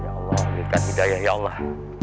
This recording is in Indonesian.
ya allah berikan hidayah ya allah